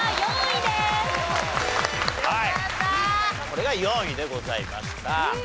これが４位でございました。